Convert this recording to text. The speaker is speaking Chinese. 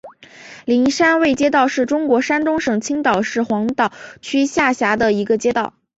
灵山卫街道是中国山东省青岛市黄岛区下辖的一个街道。